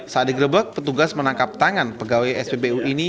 saat digrebek petugas menangkap tangan pegawai spbu ini